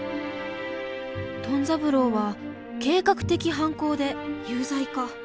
トン三郎は計画的犯行で有罪か。